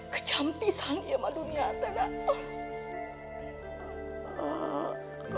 kejam pisang iya mah dunia tante